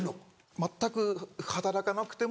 全く働かなくても。